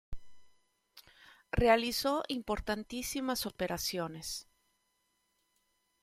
Realizó importantísimas operaciones.